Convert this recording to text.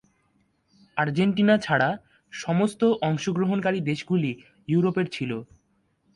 Argentina ছাড়া, সমস্ত অংশগ্রহণকারী দেশগুলি ইউরোপের ছিল।